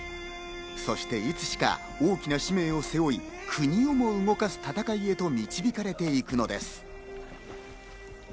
そしていつしか大きな使命を背負い、国をも動かす戦いへと導かれていくのです。